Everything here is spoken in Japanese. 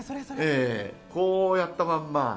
こうやったまんま。